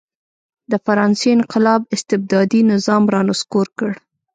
د فرانسې انقلاب استبدادي نظام را نسکور کړ.